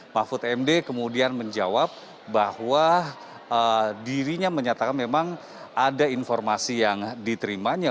mahfud md kemudian menjawab bahwa dirinya menyatakan memang ada informasi yang diterimanya